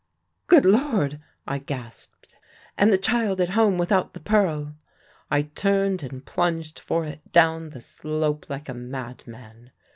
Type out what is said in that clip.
"'Good Lord!' I gasped. 'And the child at home without the pearl!' I turned and plunged for it down the slope like a madman.